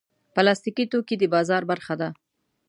پلاستيکي توکي د بازار برخه ده.